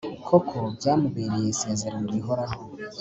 koko byamubereye isezerano rihoraho